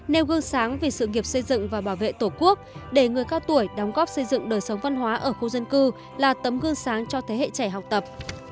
nêu gương sáng vì sự nghiệp xây dựng và bảo vệ tổ quốc để người cao tuổi đóng góp xây dựng đời sống văn hóa ở khu dân cư là tấm gương sáng cho thế hệ trẻ học tập